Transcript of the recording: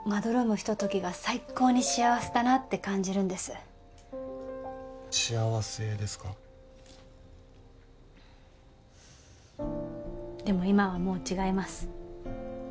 ひとときが最高に幸せだなって感じるんです幸せですかでも今はもう違います